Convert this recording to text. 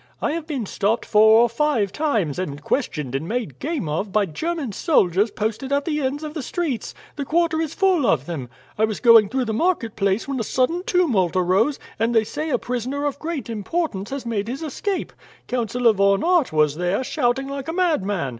"I have been stopped four or five times, and questioned and made game of, by German soldiers posted at the ends of the streets; the quarter is full of them. I was going through the market place when a sudden tumult arose, and they say a prisoner of great importance has made his escape. Councillor Von Aert was there, shouting like a madman.